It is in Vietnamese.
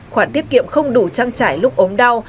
khoản thiết kiệm không đủ trăng trải lúc ốm đau